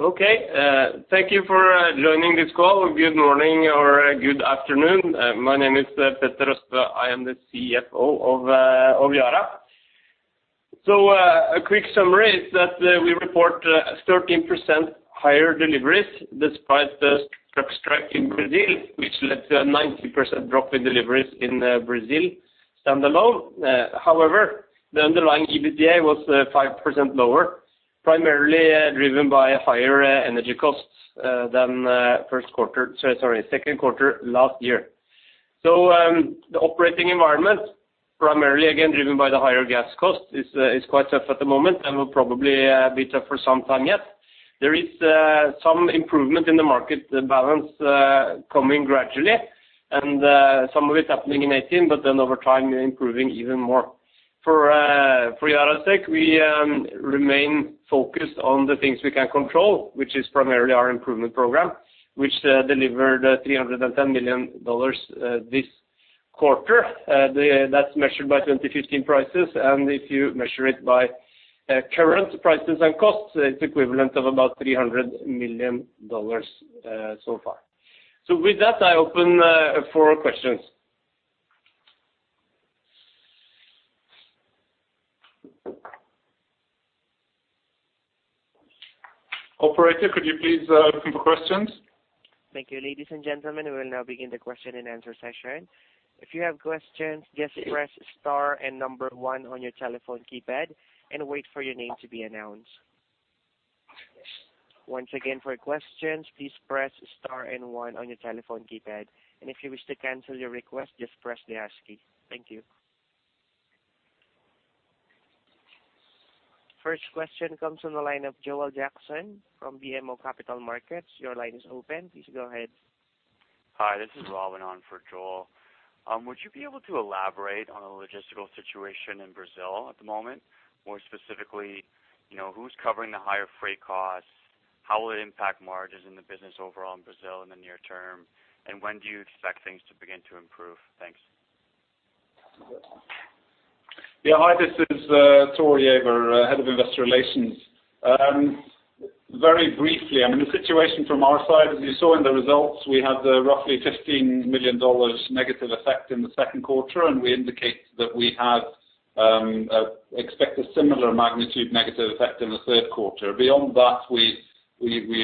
Okay. Thank you for joining this call. Good morning or good afternoon. My name is Petter Østbø. I am the CFO of Yara. A quick summary is that we report 13% higher deliveries despite the truck strike in Brazil, which led to a 90% drop in deliveries in Brazil standalone. However, the underlying EBITDA was 5% lower, primarily driven by higher energy costs than second quarter last year. The operating environment, primarily again driven by the higher gas cost, is quite tough at the moment and will probably be tough for some time yet. There is some improvement in the market balance coming gradually, and some of it's happening in 2018, but then over time, improving even more. For Yara's sake, we remain focused on the things we can control, which is primarily our improvement program, which delivered $310 million this quarter. That's measured by 2015 prices, and if you measure it by current prices and costs, it's equivalent of about $300 million so far. With that, I open for questions. Operator, could you please open for questions? Thank you. Ladies and gentlemen, we will now begin the question and answer session. If you have questions, just press star and number 1 on your telephone keypad and wait for your name to be announced. Once again, for questions, please press star and 1 on your telephone keypad. If you wish to cancel your request, just press the hash key. Thank you. First question comes on the line of Joel Jackson from BMO Capital Markets. Your line is open. Please go ahead. Hi, this is Robin on for Joel. Would you be able to elaborate on the logistical situation in Brazil at the moment? More specifically, who's covering the higher freight costs? How will it impact margins in the business overall in Brazil in the near term? When do you expect things to begin to improve? Thanks. Yeah. Hi, this is Thor Giæver, Head of Investor Relations. Very briefly, I mean, the situation from our side, as you saw in the results, we had roughly $15 million negative effect in the second quarter. We indicate that we expect a similar magnitude negative effect in the third quarter. Beyond that, we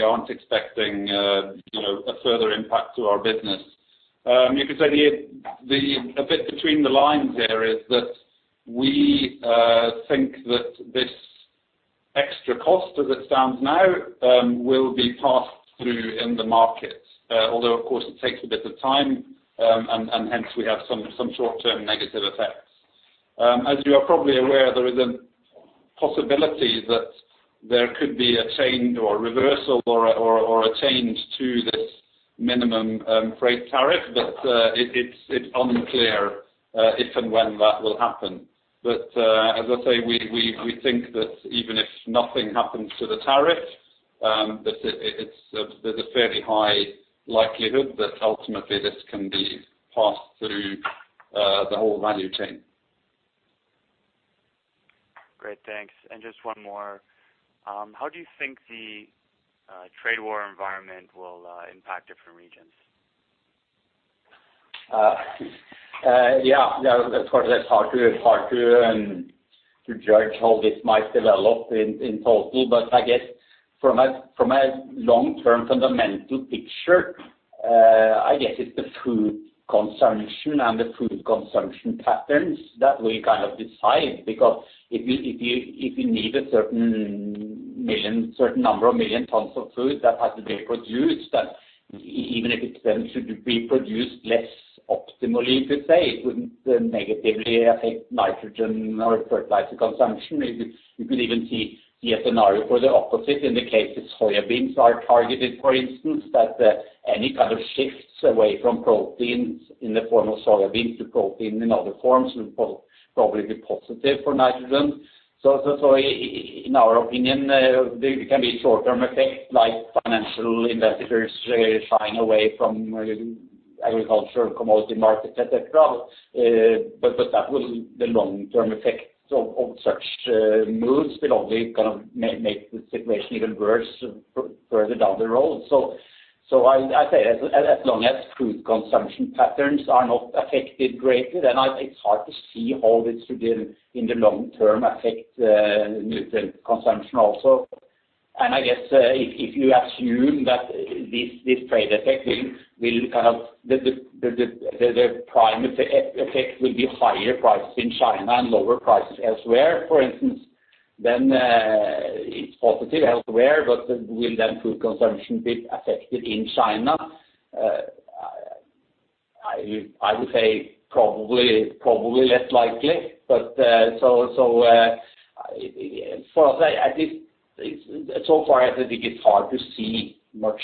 aren't expecting a further impact to our business. You could say a bit between the lines there is that we think that this extra cost, as it stands now, will be passed through in the market. Of course, it takes a bit of time, and hence we have some short-term negative effects. As you are probably aware, there is a possibility that there could be a change or reversal or a change to this minimum freight tariff. It's unclear if and when that will happen. As I say, we think that even if nothing happens to the tariff, there's a fairly high likelihood that ultimately this can be passed through the whole value chain. Great. Thanks. Just one more. How do you think the trade war environment will impact different regions? Yeah. Of course, it's hard to judge how this might develop in total. I guess from a long-term fundamental picture, I guess it's the food consumption and the food consumption patterns that will kind of decide. Because if you need a certain number of million tons of food, that has to be produced, that even if it then should be produced less optimally, to say, it wouldn't negatively affect nitrogen or fertilizer consumption. You could even see a scenario for the opposite in the case if soybeans are targeted, for instance, that any kind of shifts away from proteins in the form of soybeans to protein in other forms would probably be positive for nitrogen. In our opinion, there can be short-term effects like financial investors shying away from agriculture and commodity markets, et cetera. The long-term effects of such moves will only kind of make the situation even worse further down the road. I say as long as food consumption patterns are not affected greatly, then it's hard to see how this could, in the long term, affect nutrient consumption also. I guess if you assume that this trade effect, the prime effect will be higher prices in China and lower prices elsewhere, for instance, then it's positive elsewhere. Will then food consumption be affected in China? I would say probably less likely. So far, I think it's hard to see much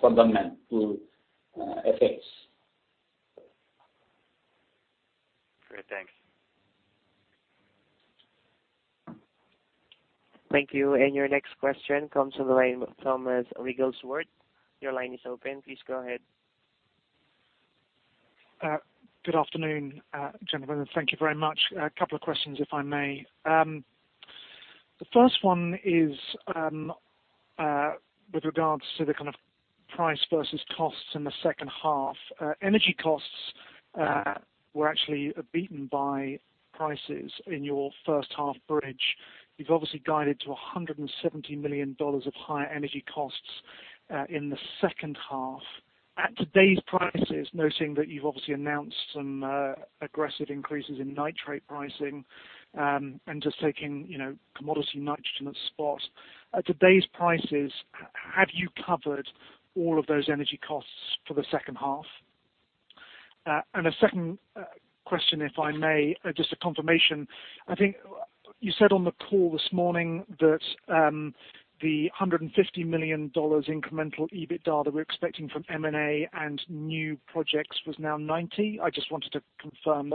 fundamental effects. Great. Thanks. Thank you. Your next question comes on the line with Thomas Wrigglesworth. Your line is open. Please go ahead. Good afternoon, gentlemen. Thank you very much. A couple of questions, if I may. The first one is with regards to the kind of price versus costs in the second half. Energy costs were actually beaten by prices in your first half bridge. You've obviously guided to $170 million of higher energy costs in the second half. At today's prices, noting that you've obviously announced some aggressive increases in nitrate pricing, and just taking commodity nitrogen at spot. At today's prices, have you covered all of those energy costs for the second half? A second question, if I may, just a confirmation. I think you said on the call this morning that the $150 million incremental EBITDA that we're expecting from M&A and new projects was now $90. I just wanted to confirm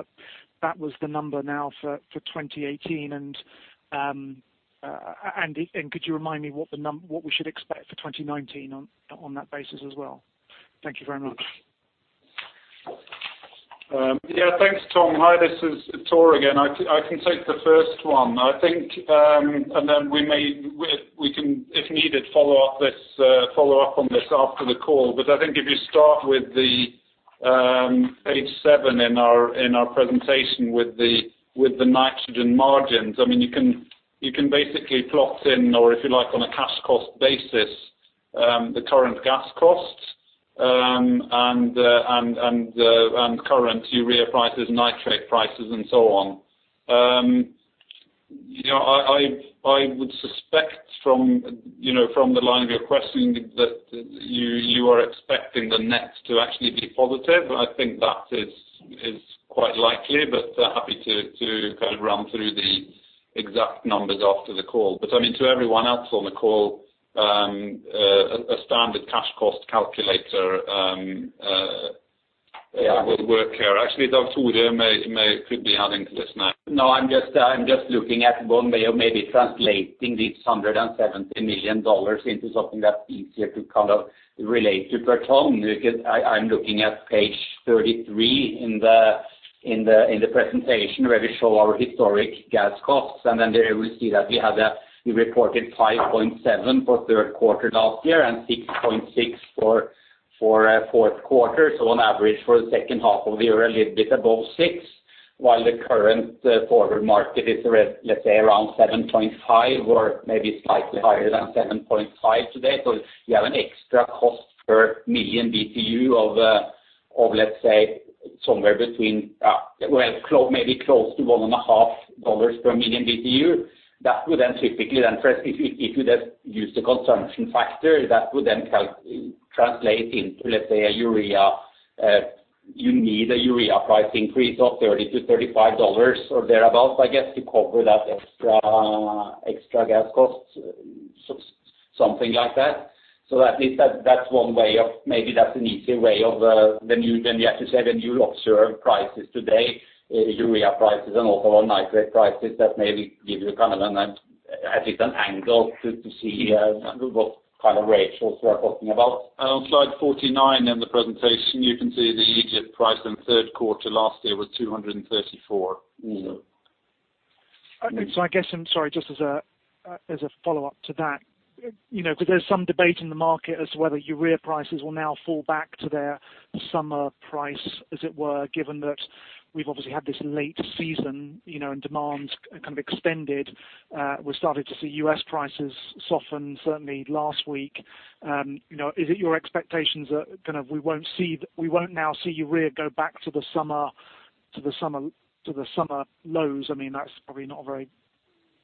that was the number now for 2018 and could you remind me what we should expect for 2019 on that basis as well? Thank you very much. Thanks, Tom. Hi, this is Thor again. I can take the first one. I think, then we can, if needed, follow up on this after the call. I think if you start with the page seven in our presentation with the nitrogen margins, you can basically plot in, or if you like, on a cash cost basis, the current gas costs and current urea prices, nitrate prices and so on. I would suspect from the line of your questioning that you are expecting the net to actually be positive. I think that is quite likely, happy to kind of run through the exact numbers after the call. To everyone else on the call, a standard cash cost calculator will work here. Actually, Dag-Frode could be adding to this now. I'm just looking at one way of maybe translating this $170 million into something that's easier to kind of relate to for Tom, because I'm looking at page 33 in the presentation where we show our historic gas costs, then there we see that we reported 5.7 for third quarter last year and 6.6 for fourth quarter. On average for the second half of the year, a little bit above six, while the current forward market is, let's say, around 7.5 or maybe slightly higher than 7.5 today. You have an extra cost per million BTU of, let's say maybe close to $1.5 per million BTU. If you just use the consumption factor, that would then translate into, let's say, you need a urea price increase of $30-$35 or thereabout, I guess, to cover that extra gas costs, something like that. At least that's one way of, maybe that's an easier way of when you observe prices today, urea prices and also our nitrate prices, that maybe give you kind of at least an angle to see what kind of ratios we are talking about. On slide 49 in the presentation, you can see the Egypt price in third quarter last year was 234. I guess, sorry, just as a follow-up to that, because there's some debate in the market as to whether urea prices will now fall back to their summer price, as it were, given that we've obviously had this late season, and demand kind of extended. We're starting to see U.S. prices soften, certainly last week. Is it your expectations that we won't now see urea go back to the summer lows? That's probably not a very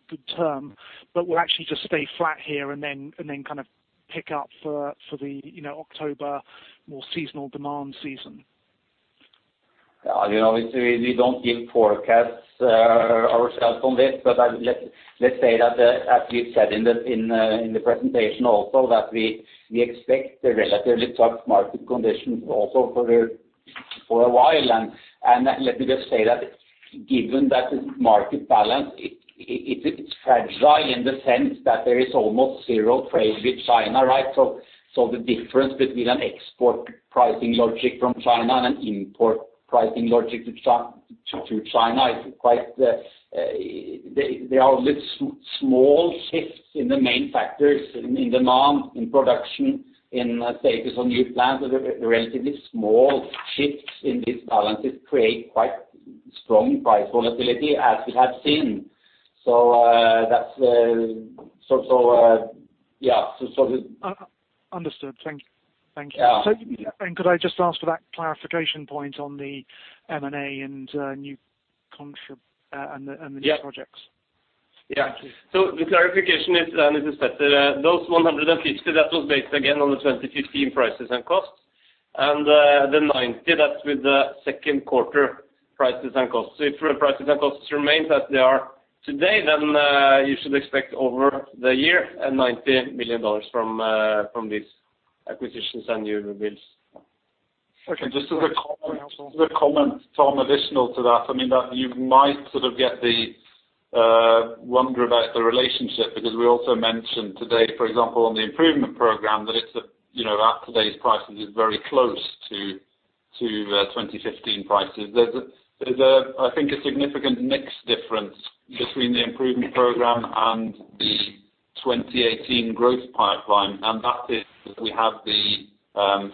good term, but will actually just stay flat here and then kind of pick up for the October more seasonal demand season. We don't give forecasts ourselves on this, let's say that, as we've said in the presentation also that we expect the relatively tough market conditions also for a while. Let me just say that given that this market balance, it's fragile in the sense that there is almost zero trade with China, right? The difference between an export pricing logic from China and an import pricing logic to China is quite There are small shifts in the main factors, in demand, in production, in status on new plants. The relatively small shifts in these balances create quite strong price volatility as we have seen. Yeah. Understood. Thank you. Yeah. Could I just ask for that clarification point on the M&A and the new projects? Yeah. Thank you. The clarification is that those 150, that was based again on the 2015 prices and costs, and the 90, that's with the second quarter prices and costs. If prices and costs remain as they are today, then you should expect over the year a NOK 90 million from these acquisitions and new builds. Okay. Just as a comment, Tom, additional to that. You might sort of wonder about the relationship, because we also mentioned today, for example, on the improvement program, that at today's prices, it's very close to 2015 prices. There's, I think, a significant mix difference between the improvement program and the 2018 growth pipeline, and that is that we have the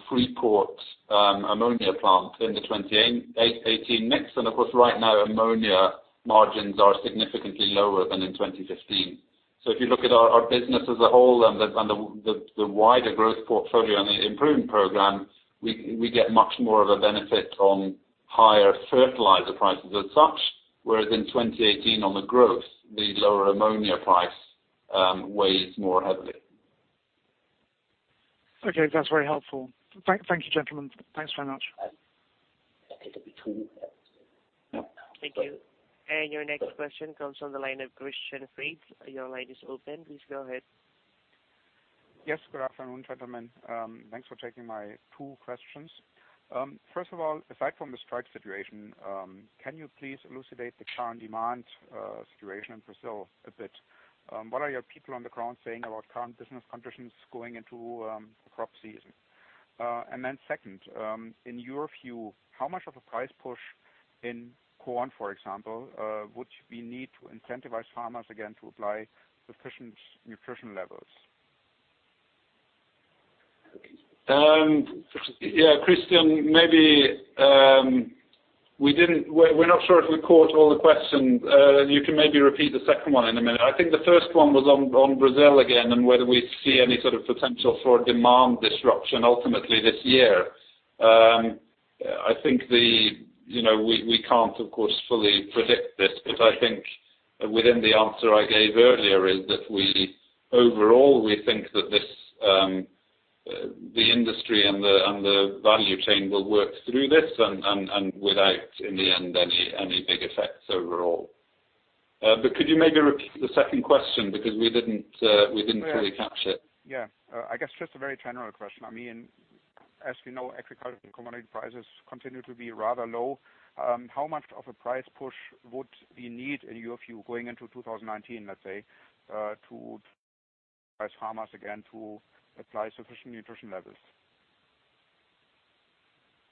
Freeport ammonia plant in the 2018 mix. Of course, right now ammonia margins are significantly lower than in 2015. If you look at our business as a whole and the wider growth portfolio on the improvement program, we get much more of a benefit on higher fertilizer prices as such, whereas in 2018 on the growth, the lower ammonia price weighs more heavily. Okay. That's very helpful. Thank you, gentlemen. Thanks very much. Thank you. Your next question comes from the line of Christian Faitz. Your line is open. Please go ahead. Yes. Good afternoon, gentlemen. Thanks for taking my two questions. First of all, aside from the strike situation, can you please elucidate the current demand situation in Brazil a bit? What are your people on the ground saying about current business conditions going into the crop season? Then second, in your view, how much of a price push in corn, for example, would we need to incentivize farmers again to apply sufficient nutrition levels? Yeah, Christian, we're not sure if we caught all the questions. You can maybe repeat the second one in a minute. I think the first one was on Brazil again and whether we see any sort of potential for a demand disruption ultimately this year. I think we can't, of course, fully predict this, but I think within the answer I gave earlier is that overall, we think that the industry and the value chain will work through this and without, in the end, any big effects overall. Could you maybe repeat the second question because we didn't fully catch it? Yeah. I guess just a very general question. As we know, agriculture and commodity prices continue to be rather low. How much of a price push would we need, in your view, going into 2019, let's say, to price farmers again to apply sufficient nutrition levels?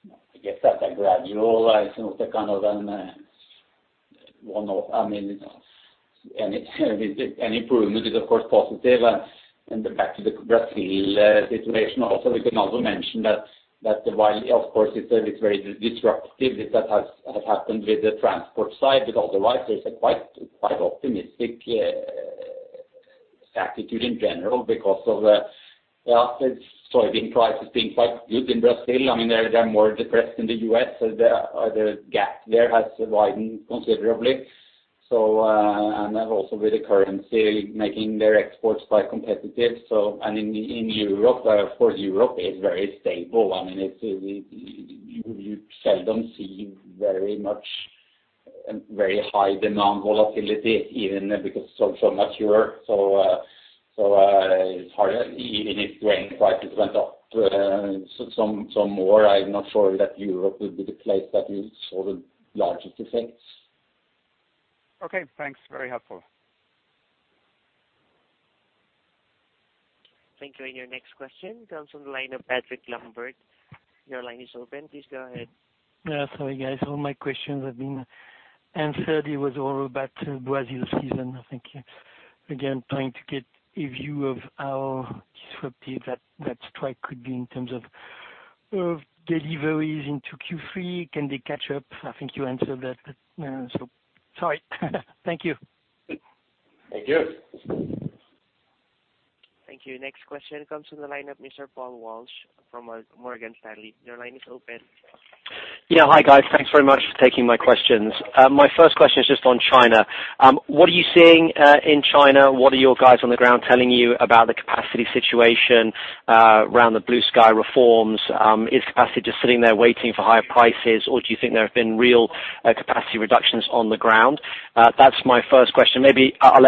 I guess that's a gradual. Any improvement is, of course, positive. Back to the Brazil situation also, we can also mention that while, of course, it's very disruptive, that has happened with the transport side, but otherwise there's a quite optimistic attitude in general because of the soybean prices being quite good in Brazil. They are more depressed in the U.S., so the gap there has widened considerably. Also with the currency making their exports quite competitive. In Europe, of course, Europe is very stable. You seldom see very high demand volatility even because it's so mature. Even if grain prices went up some more, I am not sure that Europe would be the place that you saw the largest effects. Okay, thanks. Very helpful. Thank you. Your next question comes from the line of Patrick Lambert. Your line is open. Please go ahead. Sorry, guys, all my questions have been answered. It was all about Brazil season. Thank you. Again, trying to get a view of how disruptive that strike could be in terms of deliveries into Q3. Can they catch up? I think you answered that. Sorry. Thank you. Thank you. Thank you. Next question comes from the line of Mr. Paul Walsh from Morgan Stanley. Your line is open. Yeah. Hi, guys. Thanks very much for taking my questions. My first question is just on China. What are you seeing in China? What are your guys on the ground telling you about the capacity situation around the Blue Sky Plan? Is capacity just sitting there waiting for higher prices, or do you think there have been real capacity reductions on the ground? That's my first question. Maybe I'll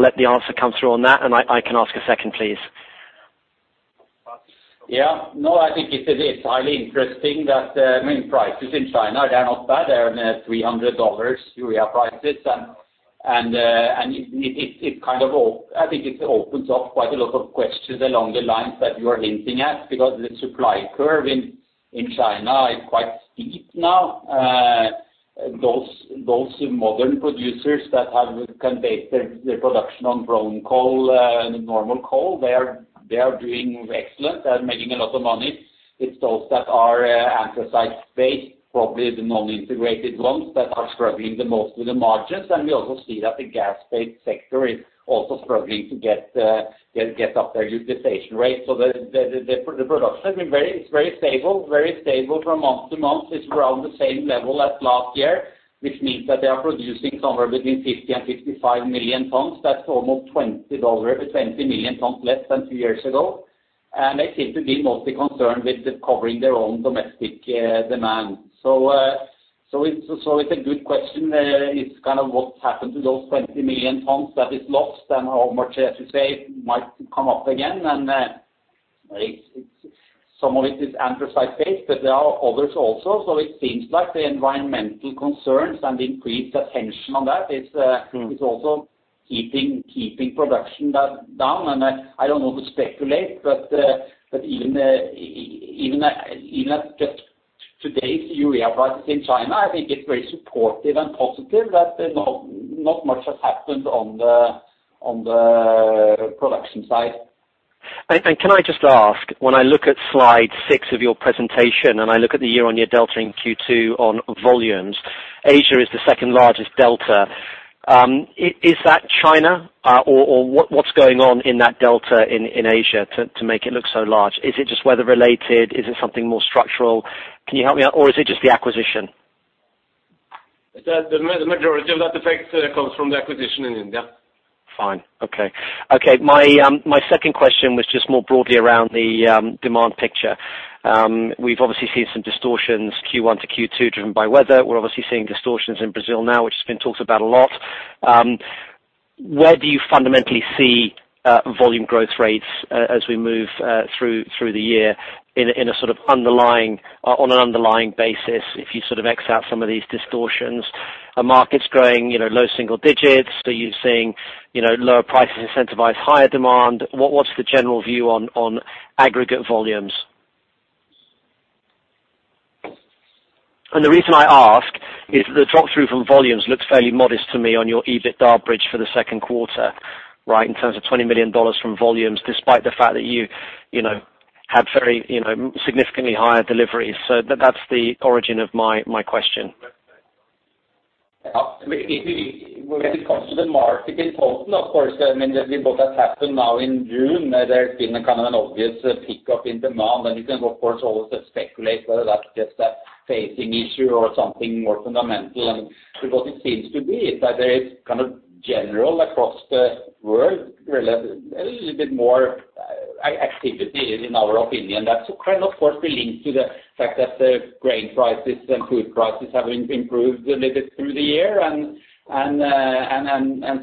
let the answer come through on that, and I can ask a second, please. Yeah, no, I think it is highly interesting that prices in China are not bad. They are $300 urea prices, and I think it opens up quite a lot of questions along the lines that you are hinting at because the supply curve in China is quite steep now. Those modern producers that have conveyed their production on brown coal and normal coal, they are doing excellent. They are making a lot of money. It's those that are anthracite-based, probably the non-integrated ones that are struggling the most with the margins. We also see that the gas-based sector is also struggling to get up their utilization rate. The production is very stable from month to month. It's around the same level as last year. Which means that they are producing somewhere between 50 and 55 million tons. That's almost 20 million tons less than two years ago. They seem to be mostly concerned with covering their own domestic demand. It's a good question. It's kind of what happened to those 20 million tons that is lost and how much, as you say, might come up again. Some of it is anthracite-based, but there are others also. It seems like the environmental concerns and increased attention on that is also keeping production down. I don't want to speculate, but even just today's urea prices in China, I think it's very supportive and positive that not much has happened on the production side. Can I just ask, when I look at slide six of your presentation and I look at the year-over-year delta in Q2 on volumes, Asia is the second-largest delta. Is that China or what's going on in that delta in Asia to make it look so large? Is it just weather related? Is it something more structural? Can you help me out? Is it just the acquisition? The majority of that effect comes from the acquisition in India. Fine. Okay. My second question was just more broadly around the demand picture. We've obviously seen some distortions Q1 to Q2 driven by weather. We're obviously seeing distortions in Brazil now, which has been talked about a lot. Where do you fundamentally see volume growth rates as we move through the year on an underlying basis if you X out some of these distortions? Are markets growing low single digits? Are you seeing lower prices incentivize higher demand? What's the general view on aggregate volumes? The reason I ask is the drop-through from volumes looks fairly modest to me on your EBITDA bridge for the second quarter, in terms of NOK 20 million from volumes, despite the fact that you have very significantly higher deliveries. That's the origin of my question. When it comes to the market in total, of course, what has happened now in June, there's been a kind of an obvious pick up in demand. You can, of course, always speculate whether that's just a phasing issue or something more fundamental. Because it seems to be that there is kind of general across the world, a little bit more activity, in our opinion. That kind of course relates to the fact that the grain prices and food prices have improved a little bit through the year.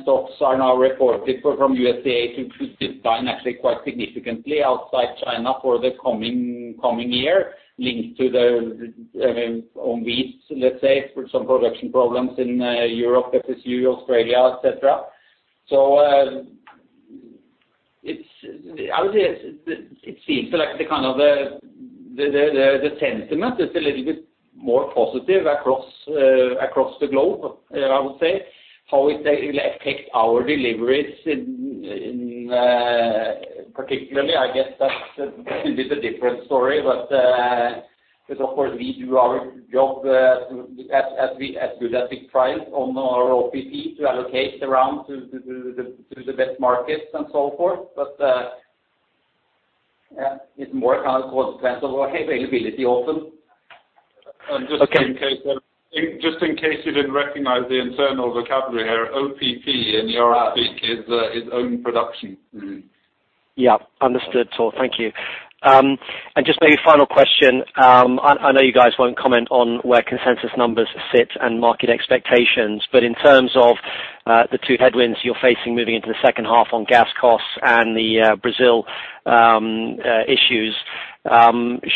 Stocks are now reported from USDA to decline actually quite significantly outside China for the coming year, linked to the wheat, let's say, some production problems in Europe, FSU, Australia, et cetera. I would say it seems like the sentiment is a little bit more positive across the globe, I would say. How it will affect our deliveries particularly, I guess that will be the different story. Of course, we do our job as good as we can try it on our OPP to allocate the rounds to the best markets and so forth. It's more a kind of question of availability often. Just in case you didn't recognize the internal vocabulary there, OPP in Yara speak is own production. Yeah, understood Thor. Thank you. Just maybe a final question. I know you guys won't comment on where consensus numbers sit and market expectations, but in terms of the two headwinds you're facing moving into the second half on gas costs and the Brazil issues,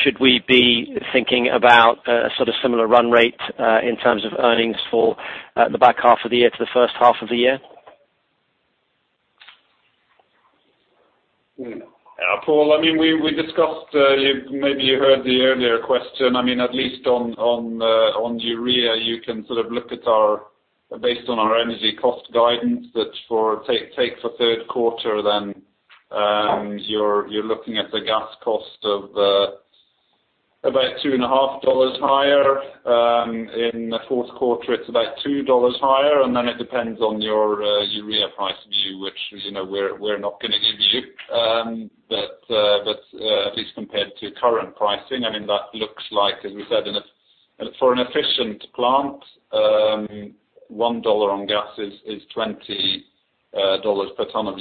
should we be thinking about a sort of similar run rate in terms of earnings for the back half of the year to the first half of the year? Paul, we discussed, maybe you heard the earlier question. At least on urea, you can sort of look at based on our energy cost guidance, that take for third quarter, then you're looking at a gas cost of about two and a half NOK higher. In the fourth quarter, it's about NOK 2 higher, then it depends on your urea price view, which we're not going to give you. At least compared to current pricing, that looks like, as we said, for an efficient plant, NOK 1 on gas is NOK 20 per ton of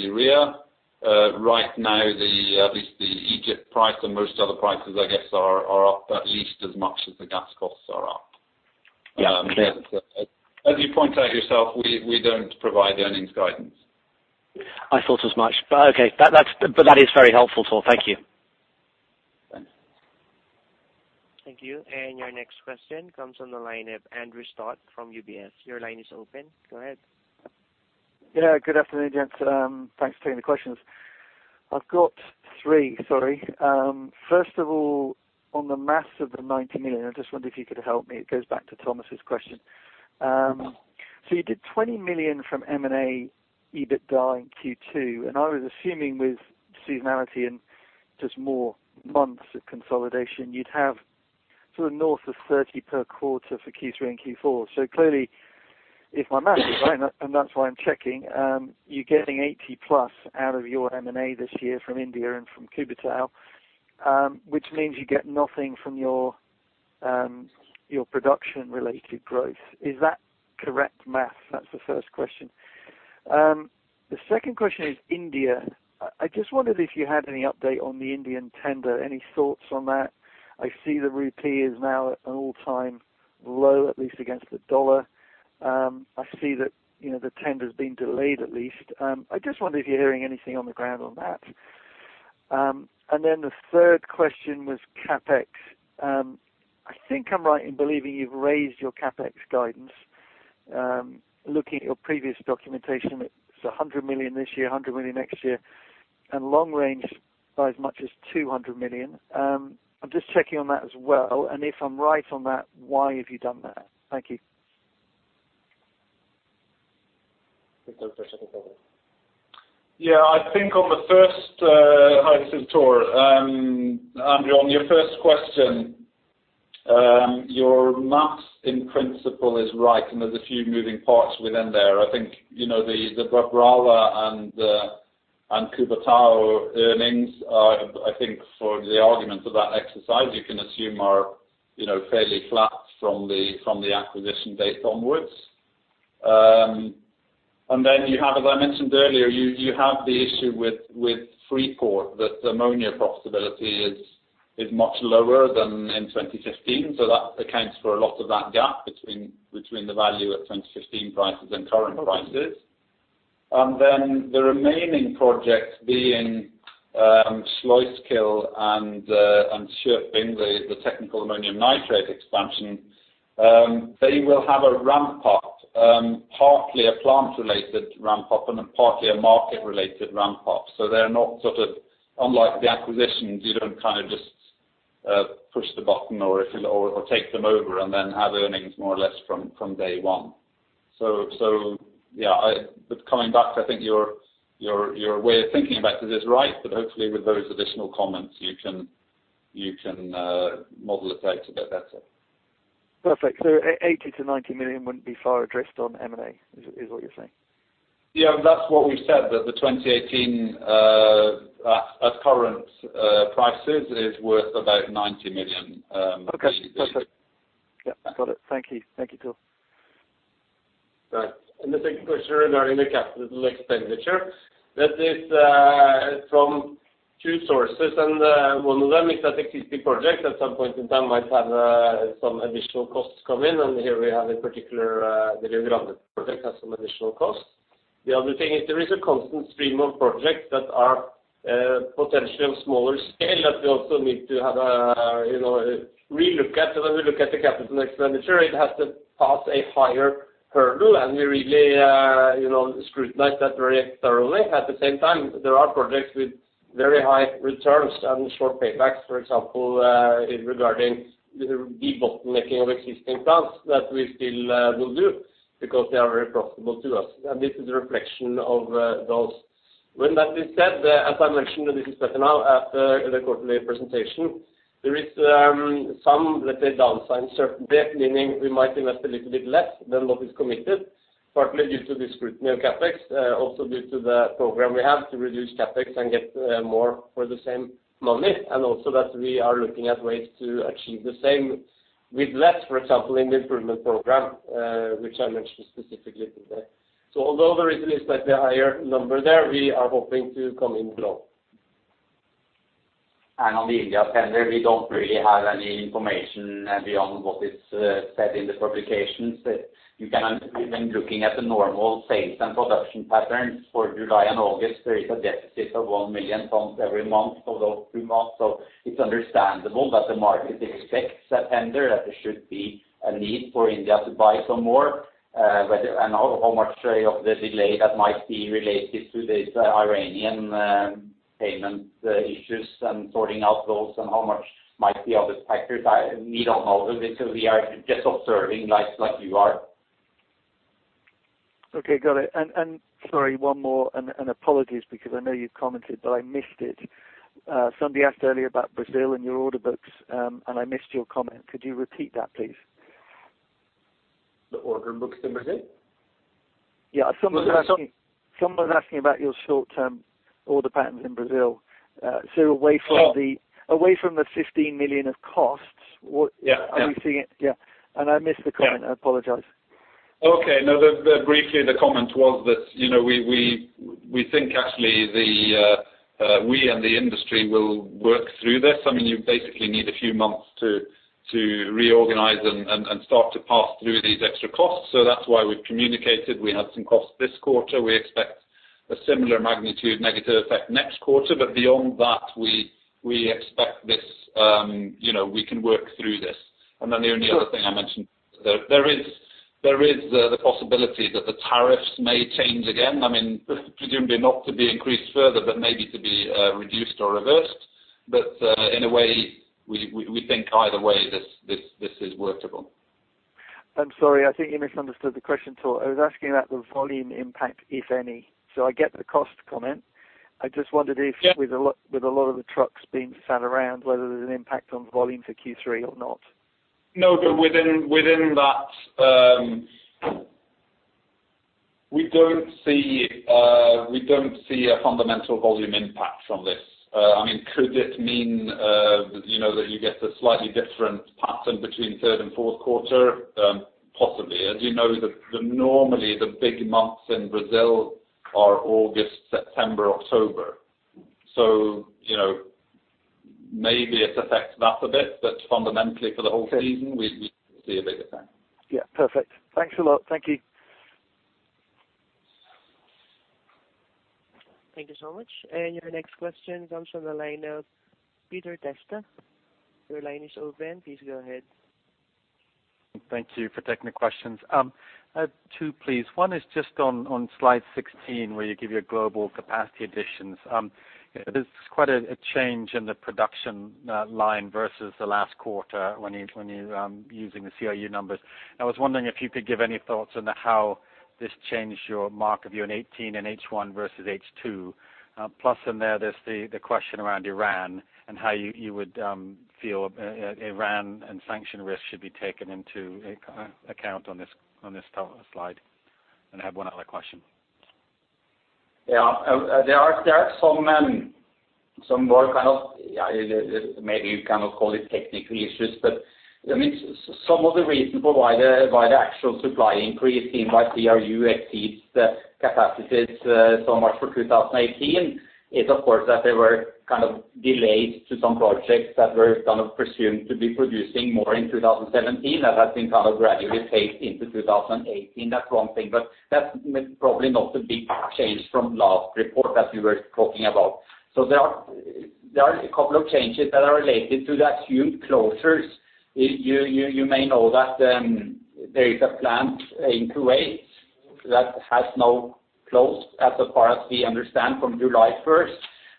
urea. Right now, at least the Egypt price and most other prices, I guess, are up at least as much as the gas costs are up. Yeah. As you point out yourself, we don't provide earnings guidance. I thought as much, okay. That is very helpful, Thor. Thank you. Thanks. Thank you. Your next question comes on the line of Andrew Stott from UBS. Your line is open. Go ahead. Good afternoon, gents. Thanks for taking the questions. I've got three, sorry. First of all, on the maths of the 90 million, I just wonder if you could help me. It goes back to Thomas' question. You did 20 million from M&A EBITDA in Q2, and I was assuming with seasonality and just more months of consolidation, you'd have sort of north of 30 per quarter for Q3 and Q4. Clearly if my math is right, and that's why I'm checking, you're getting 80 plus out of your M&A this year from India and from Cubatão, which means you get nothing from your production-related growth. Is that correct math? That's the first question. The second question is India. I just wondered if you had any update on the Indian tender, any thoughts on that? I see the rupee is now at an all-time low, at least against the dollar. I see that the tender has been delayed at least. I just wonder if you're hearing anything on the ground on that. The third question was CapEx. I think I'm right in believing you've raised your CapEx guidance. Looking at your previous documentation, it's 100 million this year, 100 million next year, and long range by as much as 200 million. I'm just checking on that as well. If I'm right on that, why have you done that? Thank you. Take that question, Thor. On the first, hi, this is Thor. Andrew, on your first question, your math in principle is right. There's a few moving parts within there. The [inaudible] and the Cubatão earnings are for the argument of that exercise, you can assume are fairly flat from the acquisition date onwards. You have, as I mentioned earlier, you have the issue with Freeport, that the ammonia profitability is much lower than in 2015. That accounts for a lot of that gap between the value at 2015 prices and current prices. The remaining projects being Sluiskil and Skørping, the technical ammonium nitrate expansion, they will have a ramp-up, partly a plant-related ramp-up and partly a market-related ramp-up. They're not sort of unlike the acquisitions. You don't just push the button or take them over and then have earnings more or less from day one. Coming back to your way of thinking about it is right. Hopefully with those additional comments, you can model it out a bit better. Perfect. 80 million-90 million wouldn't be far adrift on M&A is what you're saying? Yeah. That's what we've said, that the 2018 at current prices is worth about 90 million. Okay. Perfect. Yep, got it. Thank you. Thank you, Thor. Right. The second question regarding the capital expenditure, that is from two sources and one of them is that existing project at some point in time might have some additional costs come in, and here we have in particular the Granul project has some additional costs. The other thing is there is a constant stream of projects that are potentially of smaller scale that we also need to have a relook at. When we look at the capital expenditure, it has to pass a higher hurdle and we really scrutinize that very thoroughly. At the same time, there are projects with very high returns and short paybacks, for example, regarding the bottlenecking of existing plants that we still will do because they are very profitable to us. This is a reflection of those. When that is said, as I mentioned, this is better now at the quarterly presentation, there is some, let's say down signs certainly, meaning we might invest a little bit less than what is committed, partly due to the scrutiny of CapEx, also due to the program we have to reduce CapEx and get more for the same money, also that we are looking at ways to achieve the same with less, for example, in the improvement program, which I mentioned specifically today. Although there is a slightly higher number there, we are hoping to come in below. On the India tender, we don't really have any information beyond what is said in the publications. You can understand when looking at the normal sales and production patterns for July and August, there is a deficit of 1 million tons every month for those two months. It's understandable that the market expects a tender, that there should be a need for India to buy some more. How much of the delay that might be related to this Iranian payment issues and sorting out those and how much might be other factors, we don't know. We are just observing like you are. Okay, got it. Sorry, one more, apologies because I know you've commented, but I missed it. Somebody asked earlier about Brazil and your order books, I missed your comment. Could you repeat that, please? The order books in Brazil? Yeah. Someone was asking about your short-term order patterns in Brazil. Away from the 15 million of costs. Yeah Are we seeing it? Yeah. I missed the comment. I apologize. Okay. No, briefly, the comment was that we think actually we and the industry will work through this. I mean, you basically need a few months to reorganize and start to pass through these extra costs. That's why we've communicated we had some costs this quarter. We expect a similar magnitude negative effect next quarter. Beyond that, we expect we can work through this. The only other thing I mentioned, there is the possibility that the tariffs may change again. I mean, presumably not to be increased further, but maybe to be reduced or reversed. In a way, we think either way, this is workable. I'm sorry. I think you misunderstood the question, Thor. I was asking about the volume impact, if any. I get the cost comment. I just wondered if. Yeah With a lot of the trucks being sat around, whether there's an impact on volume for Q3 or not? No, within that, we don't see a fundamental volume impact from this. I mean, could this mean that you get a slightly different pattern between third and fourth quarter? Possibly. As you know, normally the big months in Brazil are August, September, October. Maybe it affects that a bit, but fundamentally for the whole season, we see a big effect. Yeah. Perfect. Thanks a lot. Thank you. Thank you so much. Your next question comes from the line of Peter Testa. Your line is open. Please go ahead. Thank you for taking the questions. Two, please. One is just on slide 16, where you give your global capacity additions. There is quite a change in the production line versus the last quarter when you are using the CRU numbers. I was wondering if you could give any thoughts on how this changed your mark of year in 2018 and H1 versus H2. Plus in there is the question around Iran and how you would feel Iran and sanction risk should be taken into account on this slide. I have one other question. Yeah. There are some more kind of, maybe you cannot call it technical issues, but some of the reason for why the actual supply increase seen by CRU exceeds the capacities so much for 2018 is, of course, that there were delays to some projects that were presumed to be producing more in 2017 that have been gradually phased into 2018. That is one thing, but that is probably not the big change from last report that you were talking about. There are a couple of changes that are related to the assumed closures. You may know that there is a plant in Kuwait that has now closed, as far as we understand, from July 1st,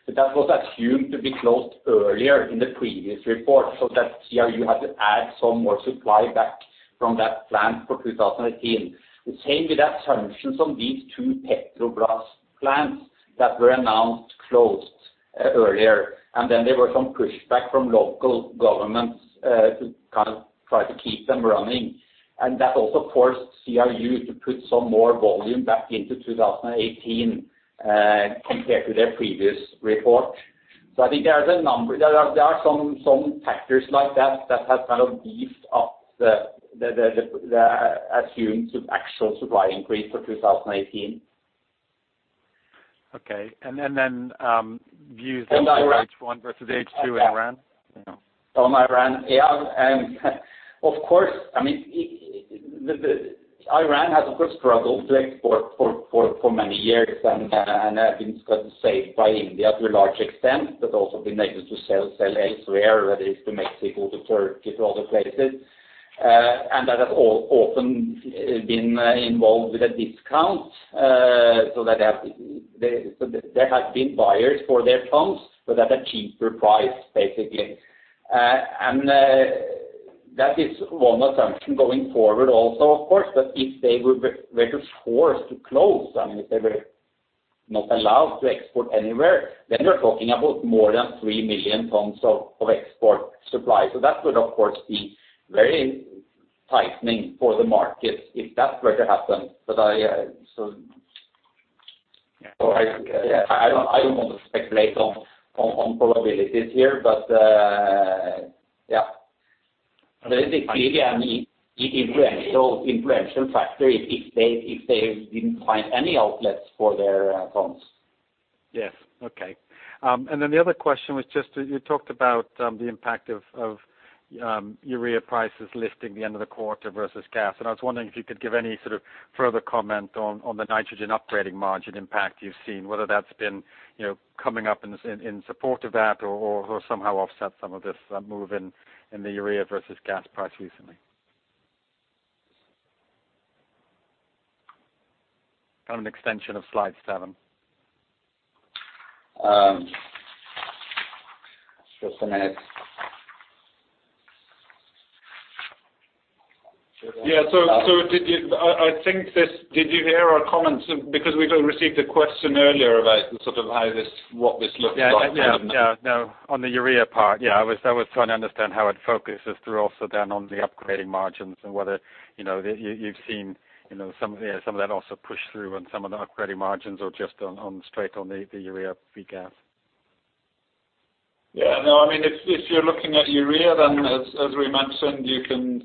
but that was assumed to be closed earlier in the previous report, so that CRU had to add some more supply back from that plant for 2018. The same with the assumptions on these two Petrobras plants that were announced closed earlier, and then there were some pushback from local governments to try to keep them running. That also forced CRU to put some more volume back into 2018 compared to their previous report. I think there are some factors like that that have beefed up the assumed actual supply increase for 2018. Okay. Then views on H1 versus H2 in Iran? On Iran? Yeah. Iran has, of course, struggled to export for many years and have been saved by India to a large extent, but also been able to sell elsewhere, whether it's to Mexico, to Turkey, to other places. That has often been involved with a discount, so there have been buyers for their tons, but at a cheaper price basically. That is one assumption going forward also, of course. If they were just forced to close, if they were not allowed to export anywhere, then you're talking about more than 3 million tons of export supply. That would, of course, be very tightening for the market if that were to happen. I don't want to speculate on probabilities here. Yeah, there is clearly an influential factor if they didn't find any outlets for their tons. Yes. Okay. Then the other question was just you talked about the impact of urea prices lifting the end of the quarter versus gas. I was wondering if you could give any sort of further comment on the nitrogen upgrading margin impact you've seen, whether that's been coming up in support of that or somehow offset some of this move in the urea versus gas price recently. An extension of slide seven. Just a minute. Yeah. Did you hear our comments? Because we received a question earlier about sort of what this looks like. Yeah. No, on the urea part. I was trying to understand how it focuses through also then on the upgrading margins and whether you've seen some of that also push through on some of the upgrading margins or just straight on the urea V gas. No, if you're looking at urea, then as we mentioned,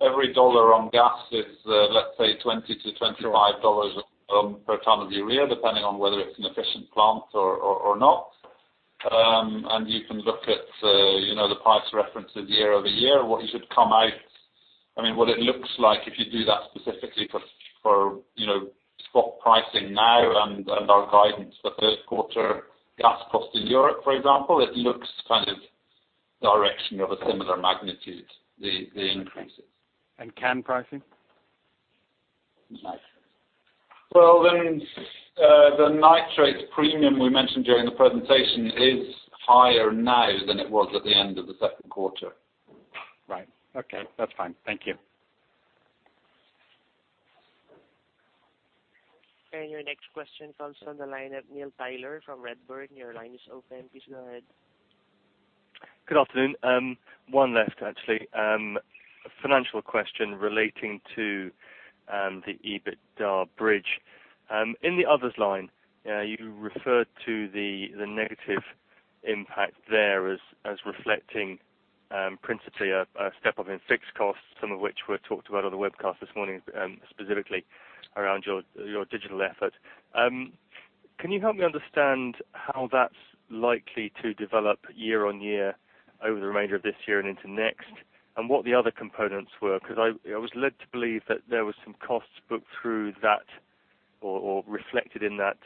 every dollar on gas is, let's say $20 to $25 per ton of urea, depending on whether it's an efficient plant or not. You can look at the price references year-over-year, what it should come out, what it looks like if you do that specifically for spot pricing now and our guidance for first quarter gas cost in Europe, for example, it looks kind of direction of a similar magnitude, the increases. CAN pricing? Well, the nitrates premium we mentioned during the presentation is higher now than it was at the end of the second quarter. Right. Okay. That's fine. Thank you. Your next question comes from the line of Neil Tyler from Redburn. Your line is open. Please go ahead. Good afternoon. One left, actually. Financial question relating to the EBITDA bridge. In the others line, you referred to the negative impact there as reflecting principally a step up in fixed costs, some of which were talked about on the webcast this morning, specifically around your digital effort. Can you help me understand how that's likely to develop year-on-year over the remainder of this year and into next, and what the other components were? I was led to believe that there was some costs booked through that or reflected in that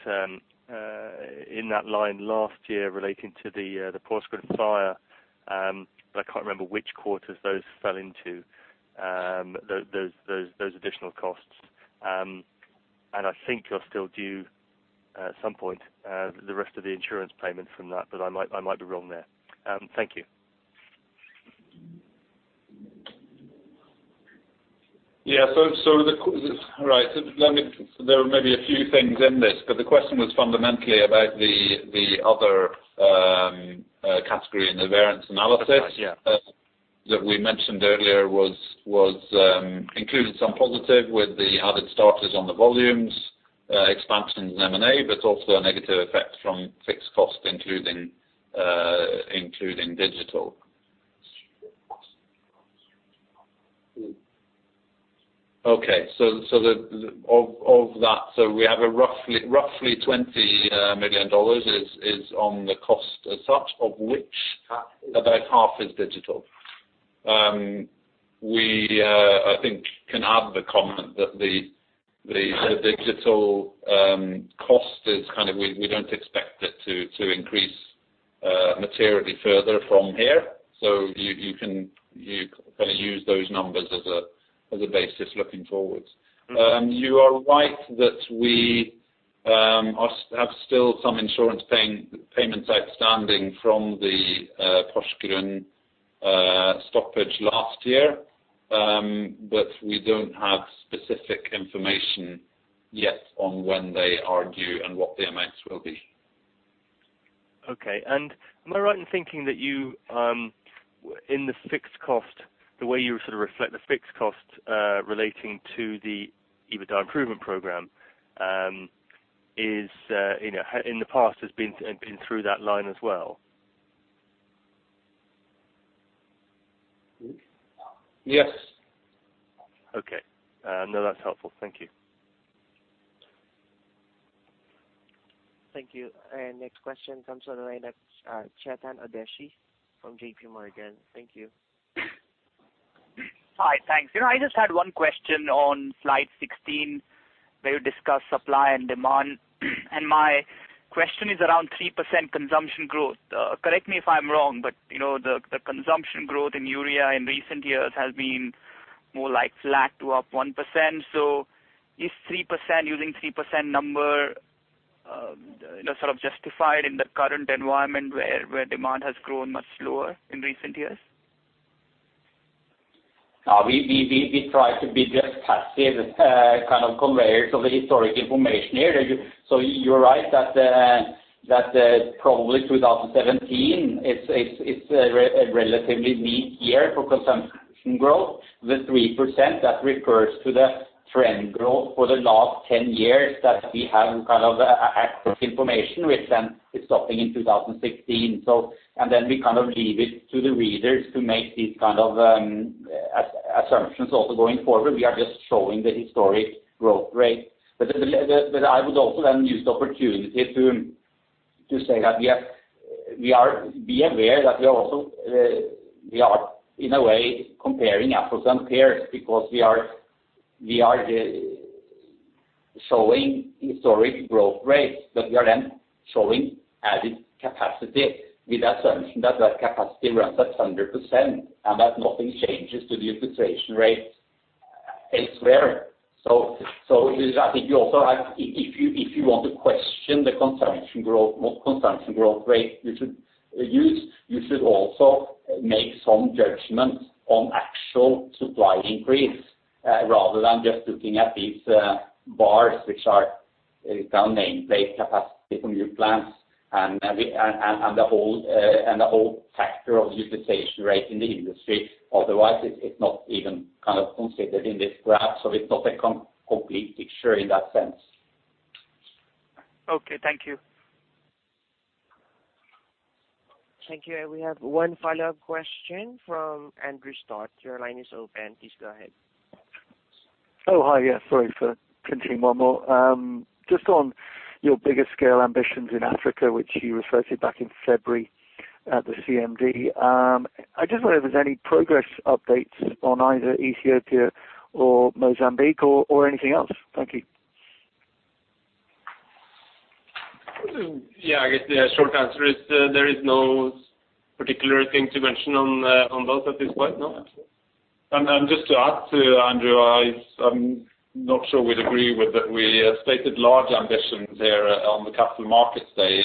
line last year relating to the Porsgrunn fire, but I can't remember which quarters those fell into, those additional costs. I think you're still due, at some point, the rest of the insurance payment from that, but I might be wrong there. Thank you. Yeah. Right. There may be a few things in this, the question was fundamentally about the other category in the variance analysis. That's right, yeah. That we mentioned earlier included some positive with the added starters on the volumes, expansions in M&A, but also a negative effect from fixed costs, including digital. Of that, we have a roughly NOK 20 million is on the cost as such, of which about half is digital. We, I think, can add the comment that the digital cost is kind of we don't expect it to increase materially further from here. You can use those numbers as a basis looking forward. You are right that we have still some insurance payments outstanding from the Porsgrunn stoppage last year, but we don't have specific information yet on when they are due and what the amounts will be. Am I right in thinking that you, in the fixed cost, the way you sort of reflect the fixed cost relating to the EBITDA improvement program, in the past has been through that line as well? Yes. That's helpful. Thank you. Thank you. Next question comes on the line at Chetan Udeshi from JPMorgan. Thank you. Hi, thanks. I just had one question on slide 16 where you discuss supply and demand, and my question is around 3% consumption growth. Correct me if I'm wrong, but the consumption growth in urea in recent years has been more like flat to up 1%. Is using 3% number sort of justified in the current environment where demand has grown much slower in recent years? No, we try to be just passive kind of conveyors of the historic information here. You are right that probably 2017, it's a relatively meek year for consumption growth. The 3%, that refers to the trend growth for the last 10 years that we have kind of accurate information with, and it's stopping in 2016. Then we kind of leave it to the readers to make these kind of assumptions also going forward. We are just showing the historic growth rate. I would also then use the opportunity to say that we are, be aware that we are also, in a way, comparing apples and pears because we are showing historic growth rates, but we are then showing added capacity with assumption that that capacity runs at 100% and that nothing changes to the utilization rate elsewhere. I think you also have, if you want to question the consumption growth rate we should use, you should also make some judgments on actual supply increase rather than just looking at these bars, which are kind of nameplate capacity from new plants and the whole factor of utilization rate in the industry. Otherwise, it's not even kind of considered in this graph, so it's not a complete picture in that sense. Okay, thank you. Thank you. We have one follow-up question from Andrew Stott. Your line is open. Please go ahead. Hi. Sorry for printing one more. Just on your bigger scale ambitions in Africa, which you referred to back in February at the CMD. I just wonder if there's any progress updates on either Ethiopia or Mozambique or anything else. Thank you. I guess the short answer is there is no particular thing to mention on both at this point. No. Just to add to Andrew, I'm not sure we'd agree with that we stated large ambitions there on the capital markets day.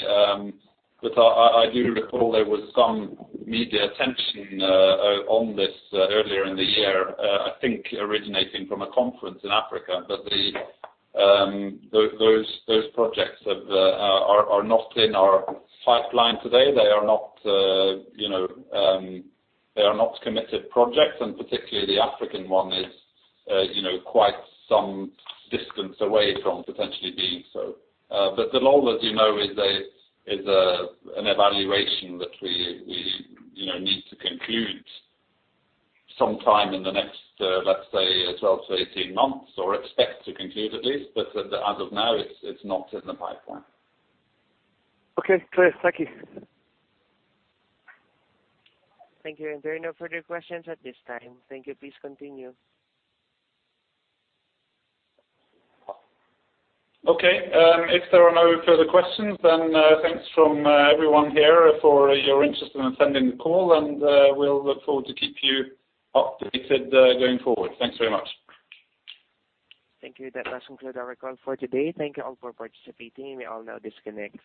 I do recall there was some media attention on this earlier in the year, I think originating from a conference in Africa. Those projects are not in our pipeline today. They are not committed projects, and particularly the African one is quite some distance away from potentially being so. Dallol, as you know, is an evaluation that we need to conclude sometime in the next, let's say, 12-18 months, or expect to conclude at least. As of now, it's not in the pipeline. Okay, clear. Thank you. Thank you. There are no further questions at this time. Thank you. Please continue. Okay. If there are no further questions, thanks from everyone here for your interest in attending the call, we'll look forward to keep you updated going forward. Thanks very much. Thank you. That does conclude our call for today. Thank you all for participating. You all now disconnect.